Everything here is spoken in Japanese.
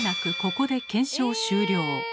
ここで検証終了。